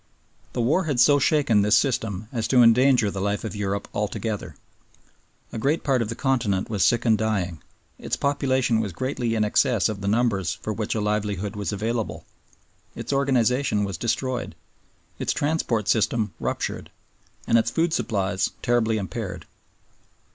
The war had so shaken this system as to endanger the life of Europe altogether. A great part of the Continent was sick and dying; its population was greatly in excess of the numbers for which a livelihood was available; its organization was destroyed, its transport system ruptured, and its food supplies terribly impaired.